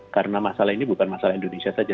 karena masalah ini bukan masalah indonesia saja